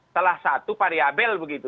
telah satu variabel begitu